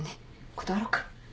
断ろっか。